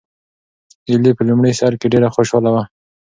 ایلي په لومړي سر کې ډېره خوشحاله وه.